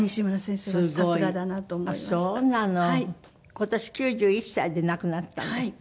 今年９１歳で亡くなったんですって。